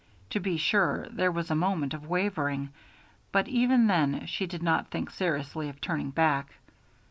To be sure, there was a moment of wavering, but even then she did not think seriously of turning back.